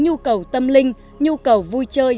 nhu cầu tâm linh nhu cầu vui chơi